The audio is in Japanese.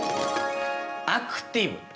アクティブ。